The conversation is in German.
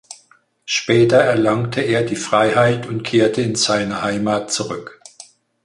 Später erlangte er die Freiheit und kehrte in seine Heimat zurück.